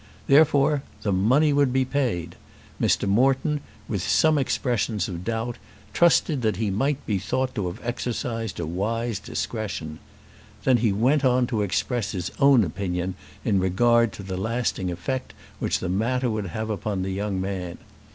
Therefore the money would be paid. Mr. Moreton, with some expressions of doubt, trusted that he might be thought to have exercised a wise discretion. Then he went on to express his own opinion in regard to the lasting effect which the matter would have upon the young man.